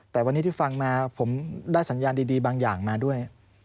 แต่วันนี้ที่ฟังมาผมได้สัญญาณดีบางอย่างมาด้วย